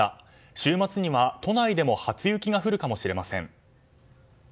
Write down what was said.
週末には都内でも初雪が降るかもしれません。